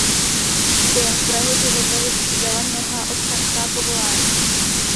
Během svého života vystřídala mnohá občanská povolání.